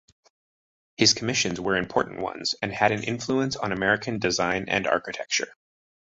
His commissions were important ones and had an influence on American design and architecture.